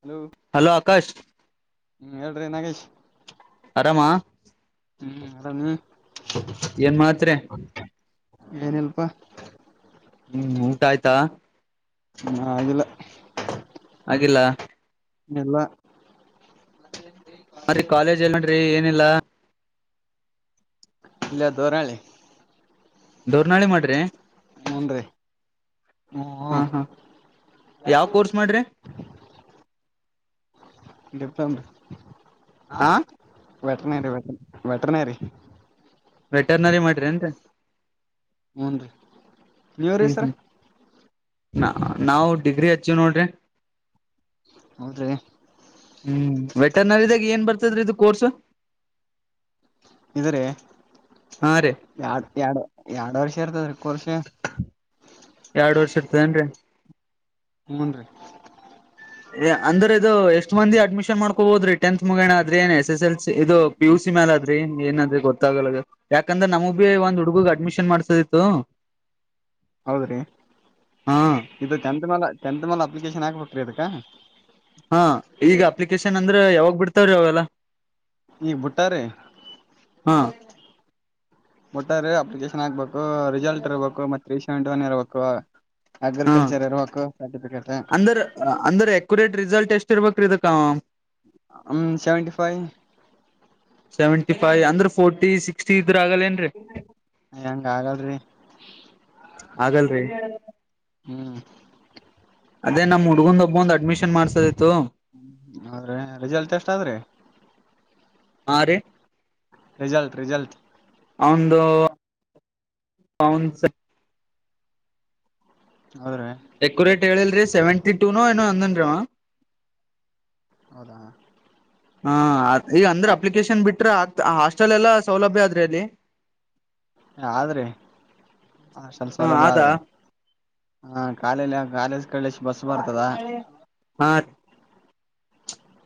Hello hello Akash ಹ್ಮ್ ಹೇಳ್ರಿ ನಾಗೇಶ್ ಆರಾಮಾ ಹ್ಮ್ ಅರಾಮ ಏನ್ ಮಾತ್ರ ಏನ್ ಇಲ್ಲಪ್ಪ ಹ್ಮ್ ಊಟ ಆಯ್ತಾ ಹಾಗಿಲ್ಲ ಹಾಗಿಲ್ಲ ಎಲ್ಲಾ ಸರಿ ಕಾಲೇಜ್ ಎಲ್ಲ ನೋಡರಿ ಏನಿಲ್ಲಾ ಇಲ್ಲ ದೋರಳಿ ದೋರ್ನಾಳಿ ಮಾಡ್ರಿ ಹನ್ ರೀ ಹಾ ಹಾ ಯಾವ ಕೋರ್ಸ್ ಮಾಡ್ರಿ ಇಪ್ಪಟ [inaudible] ಆ [unintelligible] ವೆಟನರಿ ವೆ ವೆಟನರಿ ವೆಟರ್ನರಿ ಮಾಡ್ರೀ ಎಂತ ಹೂನ್ರಿ ನೀವ್ರೀ ಹ್ಮ್ ಸರ್ ಹ್ಮ್ ನಾವವು ಡಿಗ್ರಿ ಹಚ್ಚಿವ ನೋಡ್ರಿ ಹೌದ್ರಿ ಹ್ಮ್ ವೆಟನರಿಿದಾಗ ಏನ್ ಬರ್ತದ್ರೀ ಇದು ಕೋರ್ಸ್ ಇದ್ರೆಡ್ ಹಾ ರೀ ಎರಡು ಎರಡು ವರ್ಷ ಸೇರ್ತದ್ರೀ ಕೋರ್ಷೆ ಎರಡು ವರ್ಷ ಇರ್ತದೇನ್ರಿ ಒನ್ [inaudible] ಅಂದ್ರೆ ಇದು ಎಷ್ಟ್ ಮಂದಿ ಅಡ್ಮಿಷನ್ ಮಾಡ್ಕೋ ಹೋದ್ರಿ ಟಂತ್ ಮುಗಣ ಆದ್ರ ಏನ ಎಸ್ ಎಲ್ ಸಿ ಇದು ಪಿ ಯು ಸಿ ಮೇ ಅದ್ರೀ ಏನ್ರ ಗೊತ್ತಾಗಲ್ಲ ಯಾಕಂದ್ರೆ ನಮ ಬಿ ಒ್ ಹುಡುಗಗ್ ಅಡ್ಮಿಷನ್ ಮಾಡ್ ಸತ ಹೌದ್ರಿ ಇದು ಚೆಂತಮಾಲ ಚೆಂತಮಾಲ ಅಪ್ಲಿಕೇಶನ್ ಆಗ್ಬೇಕ್ರಿ ಅದಕ್ಕ ಹಾ ಈಗ ಅಪ್ಲಿಕೇಶನ್ ಅಂದ್ರೆ ಯಾವಾಗ್ ಬಿಡ್ತಾವ್ರೀ ಅವೆಲ್ಲ ಈ ಬುಟ್ಟಾರೆ ಹಾ [inaudible] ಮೊಟ್ಟಾರ ಅಪ್ಲಿಕೇಶನ್ ಆಾಕ್ಬೇಕು ರಿಸಲ್ಟ್ ಇರ್ಬೇಕು ಮತ್ ರೀಷೆಂಟ್ ಒನ್ ಇರಬೇಕು ಹಾ ಅಗ್ರಿಕಲ್ಚರ್ರ ವಕ್ ಸರ್ಟಿಫಿಕಟ್ ಇರ್ಬೇಕ್ರ ಇದಕ್ಕ ಸೆವೆಂಟಿ ಫೈವ್ ಸೆವೆಂಟಿಫೈವ ಅಂದ್ರ ಫೋರ್ಟಿ ಸಿ [inaudible] ಸ [inaudible] ಹೆಂಗ ಆಗಲ್ರಿ ಆಗಲ್ರಿ ಹ್ಮ್ ಮಾಡ್ಸ [inaudible] ಹ್ಮ ಅವ್ರೆ ರಿಸಲ್ಟ್ ಎಷ್ಟ ಆದ್ರಿ [inaudible] ಆ ರ ರಿಜಲ್್ಟ ರಿಜಲ್್ಟ ಅಂದು ಕೌನ್ಸ ಹೌದ್ರಿ ಅಕ್ಯುರೇಟ್ ಹೇಳಿಲ್ರಿ ಸೆವೆಂಟಿ ಟು ನೋ ಏ ನ್ ಹೌದಾ ಹಾ ಈಗ ಅಂದ್ರೆ ಅಪ್ಲಿಕೇಶನ್ ಬಿಟ್ರೆ ಆ ಹಾಸ್ಟೆಲ್ ಎಲ್ಲಾ ಸೌಲಭ್ಯ ಆದ್ರೆ ಅಲ್ಲಿ ಆದ್ರಿ ಹ ಅದಾ ಹಾ ಕಾಲ ಕಾಲ ಹಾ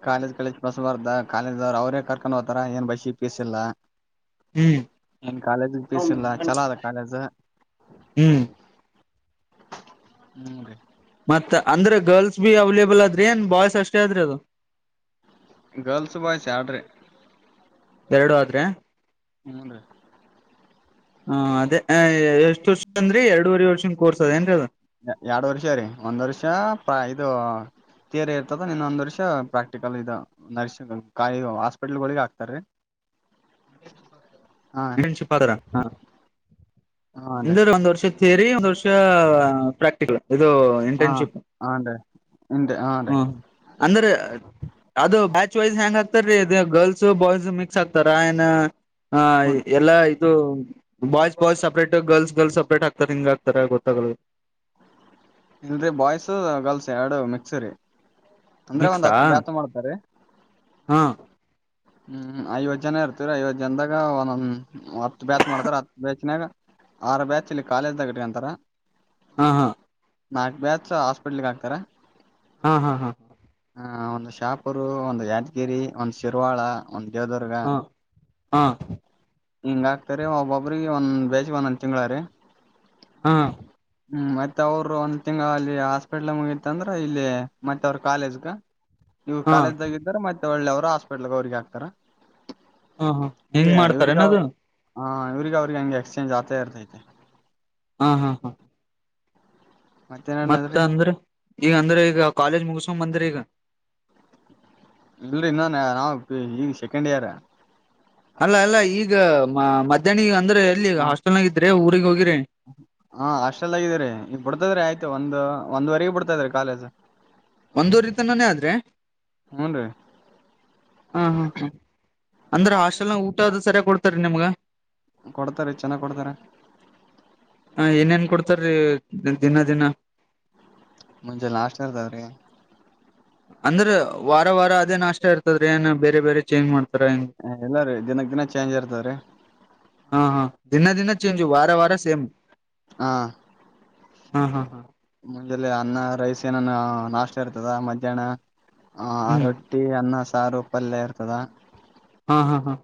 ಕಾಲೇಜ್ ಕಳಿಸಿ ಬಸಬಾರ್ದ ಕಾಲೇಜವ್ರು ಅವರೇ ಕರ್ಕೊಂಡು ಹೋ್ತಾರ ಏನ್ ಬೈಸಿ ಪೀಸಿಲ್ಲ ಹ್ಮ್ ಏನ್ ಕಾಲೇಜ ಬಸಿಲ್ಲ ಚಲ ಅದ ಕಾಲೇಜ. ಹ್ಮ್ ಹ್ಮ್ ರ ಮತ್ತ ಅಂದ್ರೆ ಗರ್ಲ್ಸ್ ಬಿ ಅವೈಲೇಬಲ್ ಅದ್ರ ಏನ್ ಬಾಯಸ್ ಅಷ್ಟೇ ಆದ್ರೆ ಅದು ಗರ್ಲ್ಸ್ ಬಾಯ್ ಸ್ಯಾಡ್ರೆ ಎರಡು ಆದ್ರೆ ಹ್ಮಞನ್ ರೀ ಹ ಅದೇ ಎಷ್ಟ್ ವರ್ಷ ಅಂದ್ರೀ ಎರಡೂುವರೆ ವರ್ಷನ್ ಕೋರ್ಸ್ ಅದ ಏನ್ ಕದ ಎರಡು ವರ್ಷ ರೀ ಒಂದ್ ವರ್ಷ ಪ್ರ ಇದು ತಯರಿ ಇರ್ತದ ನಿನ್ನ ಒಂದ್ ವರ್ಷ ಪ್ರಾಕ್ಟಿಕಲ್ ಇದು ನರ್ಸಿ ಕಾಯ ಹಾಸ್ಪಿಟ್ಲ್ಗಳಳಿಗ ಹಾಕ್ತಾರೀ ಹಾ ಇಂಟನ್ಶಿಪ್ರ ಹ ಹನ್ರಿ ಅಂದ್ರ ಒಂದ್ ವರ್ಷ ತರಿ ಒಂದ್ ವರ್ಷ ಪ್ರಾಕ್ಟಿಕಲ್ ಇದು ಹಾ ಇಂಟರ್ನ್ಶಿಪ್ ಹಾನ್ ರೀ ಹಿಂದೆ ಹಾನ್ ರೀ ಹ ಅಂದ್ರೆ ಅದು ಬ್ಯಾಚ್ ವೈಸ್ ಹ್ಯಾಂಗ್ ಆಗ್ತಾರೀ ಇದು ಗರ್ಲ್ಸ್ ಬಾಯ್ಸ್ ಮಿಕ್ಸ್ ಆಗ್ತಾರ ಅಾಯನ ಹಾಯ್ ಮುನ್- ಇದು boys boys separate girls girls separate ಹಾಗ್ತದೆ ಹಂಗ ಆಗ್ತಾರ ಗೊತ್ತಾಗದು ಇಲ್್ರೆ ಬಾಯ್ಸ ಗರ್ಲ್ಸ್ ಎರಡು ಮಿಕ್ಸರಿ ಅಂದ್ರೆ ಒಂದ್ ಮಿಕ್ಸಾ ಹತ್ತು ಬ್ಯಾಾಸ ಮಾಡ್ತಾರೆ ಹಾ ಹ್ಮ್ ಐವತ್ತು ಜನ ಇರ್ತೀವ್ರ ಐವತ್ ಜನದಾಗ ಒಂದೊ ಹತ್ ಬ್ಯಾಚ್ ಮಾಡ್ತಾರ ಹತ್ ಬ್ಯಾಚ್ನಾಗ ಆರು ಬ್ಯಾಚ್ ಇಲ್ಲಿ ಕಾಲೇಜ್ದಾಗ ಇಟ್ಕಂತಾರ ಹಾ ಹಾ ನಾಕ್ ಬ್ಯಾ ಹಾಸ್ಪಿಟ್ಲ್ಗೆ ಹಾಕ್ತಾರ. ಹಾ ಹಾ ಹ ಒಂದು ಶಾಪುರು ಒಂದು ಯಾದಗಿರಿ ಒಂದು ಶಿರ್ವಾಳ. ಮಂಜೋದುರ್ಗ. ಹಾ ಹಾ ಹಾ ಹಿಂಗ ಆಗ್ತರಿೀ ಒಬ್ಬೊಬ್ರಿಗೆ ಒಂದ ಬೇಜ್ಗೆ ಒಂದೊಂದು ತಿಂಗಗಳ ರೀ. ಹಾ. ಹ್ಮ್ ಮತ್ತೆ ಅವರು ಒಂದ ತಿಂಗ್ ಅಲ್ಲಿ ಹಾಸ್ಪಿಟ್ಲ್ ಮುಗಿತ್ತ ಅಂದ್ರ ಇಲ್ಲಿ ಮತ್ತೆ ಅವ್ರ ಕಾಲೇಜ್. ದ ಇವ ಹಾ ಕಾಲೇಜ್್ದಾಗ ಇದಾರ ಮತ್ ಒಳ್ಳೆಯವ್ರು ಹಾಸ್ಪಿಟ್ಲ್ಗೆ ಅವ್ರರಿಗೆ ಹಾಕ್ತಾರ. ಹಾ ಹಾ ಹೆಂಗ್ ಮಾಡ್ತಾರನದು. ಹಾ ಇವ್ರಿಗೆಗ ಅವ್ರಿಗೆ ಹಂಗೆ ಎಕ್ಸ್ಚೇಂಜ್ ಆಗ್ತಾ ಇರ್ತೈತೆ. ಹಾ ಹಾ ಹಾ ಮತ್ತ ಮತ್ತೇನನದ್ರಿ ಅಂದ್ರೆ ಈಗ ಅಂದ್ರೆ ಈಗ ಕಾಲೇಜ್ ಮುಗೀಸ್ ಸಮಂದರೆಗ. ಇಲ್ರರಿ ಇನ್ನೊನ್ ನಾವವು ಈಗ ಸೆಕೆಂಡ್ ಇಯರ್. ಅಲ್ಲ ಅಲ್ಲ ಈಗ ಮಧ್ಯಾಹ್ನಗ ಅಂದ್ರೆ ಎಲ್ಲಿ ಹ ಹಾಸ್ಟೆಲ್ನಾಗ ಇದ್ರೆ. ಹೋಗಿ ಹಾ ಅಷ್ಟಲ್ಲಾಗಿದೀರಿ ಈಗ ಬಿಡ್ತದ್ರೆ ಆಯ್ತು ಒಂದು. ಒಂದ್ರೊ ಬಿಡ್ತಾ ಇದ್ರೀ ಕಾಲೇಜ್. ಒಂದ ರೀತನಾನೇ ಆದ್ರೆ ಹೂನ್ ರೀ ಹ ಹಾ ಹಾ ಅಂದ್ರೆ ಹಾಸ್ೆಲ್ನ ಊಟ ಆದ ಸರಿಯ ಕೊಡ್ ರಿ ನಿಮ್ಗ ಕೊಡ್ತಾರೆ ಚೆನ್ನಾಗ್ ಕೊಡ್ತಾರ. ಹ ಏನ್ೇನ್ ಕೊಡ್ತಾರೀ. ದಿನ ದಿನ ಮುಂಚೆ ಲಾಷ್ಟ ಅದಾವ್ರಿ. ಅಂದ್ರ ವಾರ ವಾರ ಅದೇ ನಾಷ್ಟ ಇರ್ತದ್ರಿ ಏನ್ ಬೇರೆ ಬೇರೆ ಚೇಂಜ್ ಮಾಡ್ ಹ ಇಲ್ಲಾರೀ ದಿನಕ್ ದಿನ ಚೇಂಜ್ ಇರ್ತದ್ರಿ. ಹಾ ಹಾ ದಿನ ದಿನ ಚೇಂಜ್ ವಾರ ವಾರ ಸೇಮ್. ಹಾ ಹಾ ಹಾ ಮುಂಜಲ್ಲೆ ಅನ್ನ ರೈಸ್ ಏನಾನ ನಾಷ್ಟ ಇರ್ತದ ಮಧ್ಯಾಹ್ನ ಹ ಹ್ಮ್ ಆರಟ್ಟಿ ಅನ್ನ ಸ ಸಾರು ಪಲ್ಯ ಇರ್ತದ. ಹಾ ಹಾ ಹಾ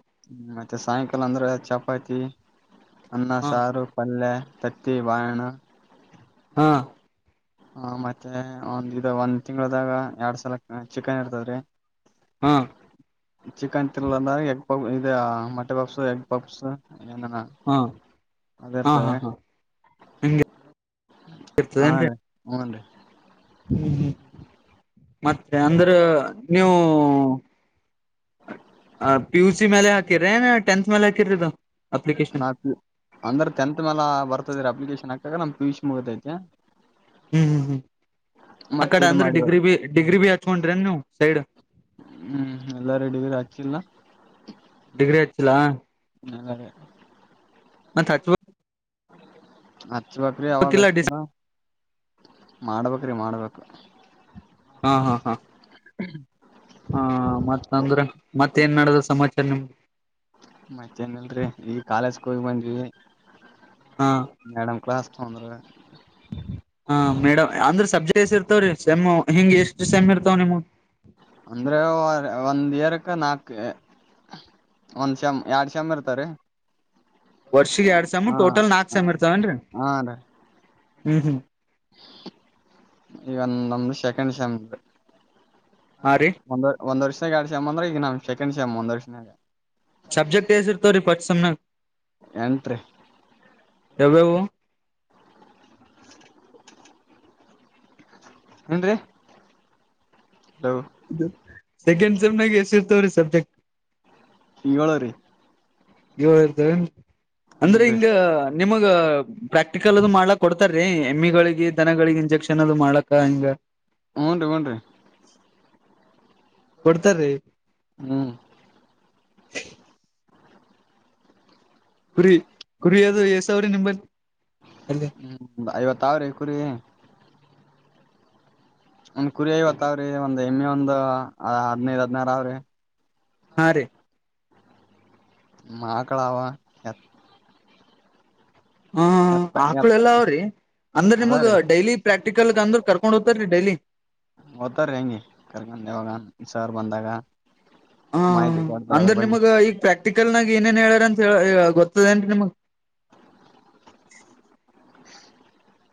ಮತ್ತೆ ಸಾಯಂಕಾಲ ಅಂದ್ರೆ ಚಪಾತಿ. ಅನ್ನ ಹಾ ಸಾರು ಪಲ್ಲೇ. ತತ್ತಿ ಬಾಳೆಹಣ್ಣು. ಹಾ ಹ ಮತ್ತೆ ಒಂದ ಇದ್ ಒಂದ್ ತಿಂಗಳದಾಗ ಎರಡ್ ಸಲ ಚಿಕನ್ ಇರ್ತದ್ರೀ. ಹಾ ಚಿಕನ್ ತಿನ್ನಲ್ಲ ಅಂದ ಎಗ್ ಪಾಪ್ ಇದು ಮಟೆ ಪಪ್ಸ್ ಎಗ್ ಪಪ್ಸ್ ಏನನ ಹಾ ಅದ ಹಾ ಹಾ ಇರ್ತವ್ರೀ ಹಾ ನಿಂಗೆ ಇರ್ತದೇನ್ರಿ ಹೂನ್ ರೀ ಹ್ಮ್-ಹ್ಮ್ ಮತ್ತೆ ಅಂದ್ರೆ ನೀವು ಪಿ ಯು ಸಿ ಮೇಲೆ ಹಾಕಿರೆನ್ ಟೆಂತ್ ಮೇಲೆ ಹಾಕಿರಿದು? ನಾ ಅಂದ್ರೆ ಟೆಂತ್ ಮೇಲ ಬರ್ತದ್ರಿ ಅಪ್ಲಿಕೇಶನ್. ಹದಿನಾಲ್ಕು ರಾಗ್ ಪಿಯುಸಿ ಮುಗ್ದೈತಿ. ಹ್ಮ್ ಹ್ಮ್ ಹ್ಮ್ ಮತ್ ಅಕಡೆ ಇದ್ ಅಂದ್ರೆ ಮಾಡಿವ ಡಿಗ್ರಿ ಬಿ ಡಿಗ್ರಿ ಬಿ ಹಚ್ಕೊಂಡ್ರನ್ ನೀವು ಸೈಡ್ ಹ್ಮ್ ಎಲ್ಲ ರೆಡಿ ಹಾಕಿಲ್ಲ ಡಿಗ್ರಿ ಹಚ್ಚಿಲ್ಲಾ? ನಾಗಾಲಯ ಮತ್ತ್ ಹಚ್ಚ್ ಬ್ ಅ ಚ್ಚ್ ಬಕ್ರಿ ಆವಾಗ ಹಚ್ಬೇಕಿಲ್ಲ ಡಿಸ್ ಹಚ್ತಿನೋ ಮಾಡ್ಬೇಕ್ರೀ ಮಾಡ್ಬೇಕು ಹಾ ಹಾ ಹಾ ಹ್ಮ ಹಾ ಮತ್ತ ಅಂದ್ರೆ ಮತ್ತ ಏನ್ ನಡದ್ ಸಮಾಚಾರ ನ ಕ್ಕೋಯ್ ಬಂದ್ವಿ ಹಾ ಮೇಡಮ್ ಕ್ಲಾಸ್ ತೋಂದ್ರೆ ಹಾ ಮೇಡಮ ಅಂದ್ರೆ ಸಬ್ಜೆಕ್ಟ್ ಇರ್ತವ್ರೀ ಸಮ್ಮು ಹಿಂಗ ಎಷ್ಟು ಸೇಮ್ಮ್ ಇರ್ತಾವ ನಿಮ್ಮ ಅಂದ್ರೆ ಒಂದ್ ಇಯರ್ ನಾಕ್ ಒಂದ್ ಸೇಮ್ಎರಡ್ ಸೇಮ್ ಇರ್ತಾರಿ ವರ್ಷಗ್ ಎರಡ್ ಸೇಮ್ ಟೋಟಲ್ ನಾಕ್ ಸೆಮ್ ಇರ್ತವನ್ರರಿ ಹ್ಮ್ ಹ್ಮ್ ಈಗಂದ ನಮ್ದು ಸೆಕೆಂಡ್ ಸೇಮ್ ಹಾ ರೀ ಒಂದ ಒಂದ ವರ್ಷ ಎರಡ್ ಸಮ್ ಅದ್ರ ಈಗ ನಮ ಸೆಕಂಡ್ ಸ್ ಮುಂದಿನ ವರ್ಷನ್ಯಾಗ ಸಬ್ಜೆಕ್ಟ್ ಹೇಸಿರ್ತವೆ ರೀ ಫಸ್ಟ್ ಸೇಮ್ ಎಂಟ್ರಿ ಯಾವ್ವ್ ಯಾವ್ ಏನ್ರಿ ಸೆಕೆಂಡ್ ಸೆಮ್ನಾಗ ಎಷ್ಟ ಇರ್ತವ್ರೀ ಸರ್ ಚ ಈಗಳರೆ ಏಳು ಇದ್ದವನ್ರೀ ಅಂದ್ರೆ ಹೂನ್ರಿ ಹಿಂಗ ನಿಮಗ ಪ್ರಾಕ್ಟಿಕಲ್ ಅದು ಮಾಡ್ಲಾಕ್ ಕೊಡ್ತಾರ್ರೀ ಎಮ್ಮಿಗಳಿಗೆ ದನಗಳಿಗೆ ಇಂಜೆಕ್ಷನ್ ಏನಾರ್ ಮಾಡಕ ಹಂಗ ಹೂಂ ನ್ರಿ ಹುನ್ರಿ ಕೊಡ್ತಾರೀ ಹ್ಮ್ ಕುರಿ ಕುರಿಿಯದು ಯಸಾವರ ನಿಂಬಲ್ ಅಲ್ಲ ಹ್ಮ್ ಐವತ್ ಅವ್ರಿ ಕುರಿ ಒಂದ್ ಕುರಿ ಐವತ್ಾವ್ರಿ ಒಂದ್ ಎಮಿ ಒಂದು ಹದ್ನೈದ್ ಹದ್ನಾರ ಅವ್ರಿ ಹಾ ರೀ ಮಾ ಕಳವಾ ಎತ್ ಹ ಎತ್ತ ಆಕ್ಳ ಎತ್ತ ಎಲ್ಲ ಅವ್ರರಿ ಅಂದ್ರ ನಿಮಗ್ ಅದಾವ್ರೀ ಡೈಲಿ ಪ್ರಾಕ್ಟಿಕಲ್ ಅಂದ್ರ ಕಕೊಂಡ್ ಹದ್ತಾರೀ ಡೈಲಿ ಹತ ರಂಗಗೆ ಕರ್ಗ ಶರ್ ಬಂದಾಗ ಹ ಮಾಹಿತಿ ಕೊಡ್ತಾರ ಅದ್ರ ಅಂದ್ರೆ ಬಗ್ಗೆ ನಿಮಗ ಈಗ ಪ್ರಾಕ್ಟಿಕಲ್ ನಾಗ ಏನ್ಏನ್ ಹೇಳೋದ ಗೊತ್ತದೇಟ ನಿಮ್ಗ್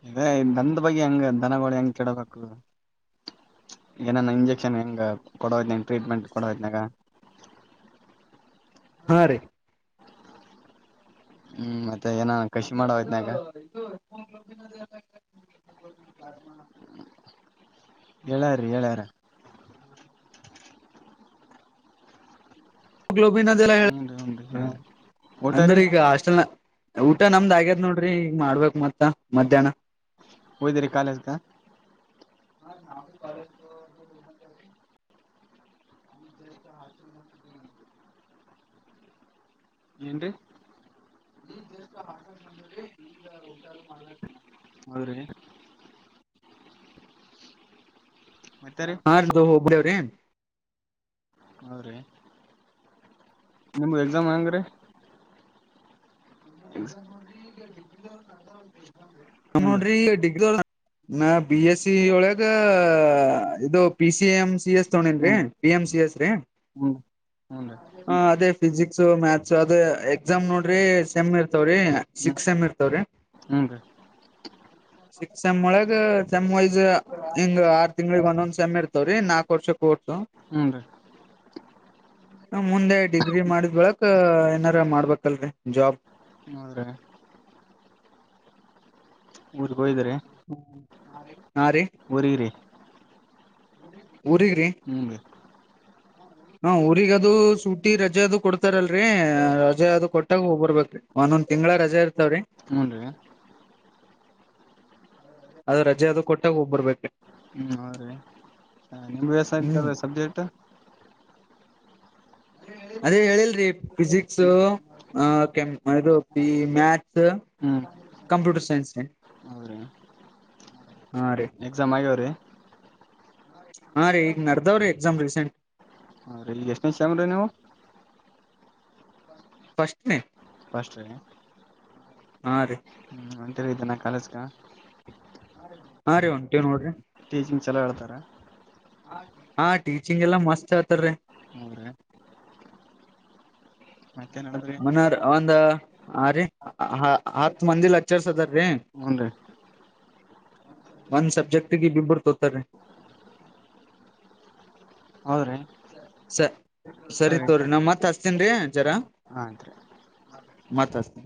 ಇೇ ದಂದ ಬಗ್ಗೆ ಹೆಂಗ ದನಗಳು ಹೆಂಗ ಕೆಡಬೇಕು ಏನಾನ ಇಂಜೆಕ್ಷನ್ ಹೆಂಗ ಕೊಡೋ್ನಂಗ ಟ್ರೀಟ್ಮೆಂಟ್ ಕೊಡೋನಾಗ. ಹಾ ರೀ ಹ್ಮ್ ಮತ್ತೆ ಏನ ಕಷಿ ಮಾಡಯತ್ನಾಗ ಹೇಳ್ಯಾರ್ರೀ ಹೇಳ್ಯಾರ ್ಲೋಬನ್ ಅಲ್ಲ ಹ್ಮ್ ರೀ ಹ್ಮ್ ರೀ ಹೇಳ್ಯಾರ ಊಟ ರೀ ಅಂದ್ರಿ ಈಗ ಹಾಸ್ಟೆಲ್ ಊಟ ನಮ್ದ್ ಆಗ್ಯದ್ ನೋಡ್ರಿ ಮಾಡ ಬೇಕ ಮತ್ತಾ ಮಧ್ಯಾಹ್ನ ಹೊದ್ರಿ ಕಾಲೇಜ್ ಕ ಏನ್ರಿ ಹೌದ್ರಿ ಮತ್ತೆ ರೀ ಹಾದು ಹೋಕ್ಕೆರ್ರಿ ಹೂರೀ ನಿಮ್ದ ಎಕ್ಸಾಮ್ ಹಂಗ್ರೀ [unintelligible] ನಾವ ಹ್ಞೂನ್ರಿ ನೋಡ್ರಿ ಡಿ ನಾ ಬಿ ಎಸ್ ಸಿ ಒಳಗ ಇದು P C M C S ಹ್ಞೂನ್ರಿ ತೋಂಡ್ರೆನಿ ಪಿ ಎಂ ಸಿ ಎಸ್ ರೀ ಹ್ಞೂನ್ರಿ ಹ್ಞೂನ್ರಿ ಹ ಅದೇ ಫಿಸಿಕ್ಸ್ ಮ್ಯಾಥಸ್ ಅದೇ ಎಕ್ಸಾಮ್ ನೋಡ್ರಿ ಸೆಮ್ ಇರ್ತವ್ರಿ ಹ್ಞೂ ಸಿಕ್ಸ್ ಸಮ್ ಇರ್ತವ್ರಿ ಹ್ಞೂನ್ರಿ ಚಿಕ್ ಶಳಾಗ ತ [unintelligible] ಹೆಂಗ ಆ [unintelligible] ತಿಂಗಳಿಗೆ ಒಂದೊಂದ್ ಸೆಮ್ ಇರ್ತಾವ್ರಿ ನಾಕ ವರ್ಷಕ ಕೋರ್ಸ ಹ್ಞೂನ್ರಿ ಮುಂದೆ ಡಿಗ್ರಿ ಮಾಡಿದ್ ಬೆಳಕ್ ಏನಾರ ಮಾಡ್ಬೇಕಲ್ರರಿ ಜಾಬ್ ಹೌ ರಿ ಹೂರಿ ಹೋಯಿದ್ರೆ ಹಾ ಊರಿಗರಿ ಊರಿಗರಿ ಹ್ಞೂನ್ರಿ ಹಾ ಊರಿಗ್ ಅದು ಸೂಟಿ ರಜೆ ಅದು ಕೊಡ್ತಾರಲ್ರಿ ರಜೆ ಅದು ಕೊಟ್ಟಾಗ ಹೋಗ್ ಬರಬೇಕರ್ರಿ ಒಂದೊಂದ್ ತಿಂಗಳ ರಜೆ ಇರ್ತವ್ರಿ ಹ್ಞೂನ್ರಿ ಅದು ರಜೆ ಅದು ಕೊಟ್ಟಾಗ ಹೋಗಬರ್ಬೇಕ ಹ್ಮ್ ಹ ರೀ ನಿಮ್ಮು ಹ್ಮ್ [inaudible] ಸಬ್ಜೆಕ್ಟ್ ಅದೇ ಹೇಳಿಲ್ರಿ ಫಿಜಿಕ್ಸ್ ಅ ಮ್ಯಾಥ್ಸ್ ಹ್ಞೂ ಕಂಪ್ಯೂಟರ್ ಸೈನ್ಸ್ ಹೌದ್ರಿ ಹಾ ರೀ ಎಕ್ಸಾಮ್ ಆಗ್ಯಾವ್ರಿ ಹಾರೀ ಈಗ ನಡದಾವರಿ ಎಕ್ಸಾಮ್ ರೀಸೆಂಟ್ ಹ ರೀ ಈಗ ಎಷ್ಟನೇ ಸೇಮ್ಮರ್ರಿ ನೀವು ಫಸ್ಟ್ ನೇ ಫಸ್ಟ್ ರೀ ಹಾ ರೀ ಇದ್ದಾನ ಕಾಲೇಜ್ಗ ಹಾ ರೀ ಒಂಟವ ನೋಡ್ರಿ ಚೊಲೋ ಹೇಳ್ತಾರೆ ಹಾ ಟೀಚಿಂಗ್ ಹೇಳ್ತಾರೀ ಹ್ರ ಮನರ್ ಒಂದ ಹಾರೀ ಆ ಹತ್ತ ಮಂದಿ ಲಚ್ಚರ್ಸ್ ಅದಾರಿ ಹ್ಞೂನ್ರಿ ಒಂದ್ ಸಬ್ಜೆಕ್ಟ್ ಂಬರ್ತ ಸರಿ ಪರಿ ಸ ಸರಿ ತೋ್ರಿ ನಾ ಮತ್ ಹಸ್ತೀನ್ ರೀ ಜರ ಆಯ್ತ್ರಿ ಮತ್ ಹಸ್ತೀನ